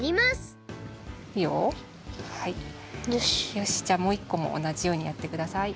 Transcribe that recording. よしじゃあもういっこもおなじようにやってください。